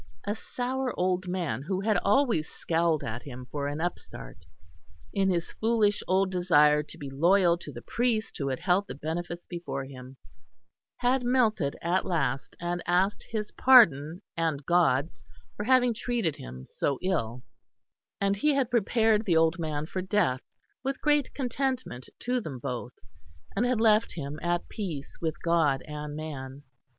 A sour old man who had always scowled at him for an upstart, in his foolish old desire to be loyal to the priest who had held the benefice before him, had melted at last and asked his pardon and God's for having treated him so ill; and he had prepared the old man for death with great contentment to them both, and had left him at peace with God and man.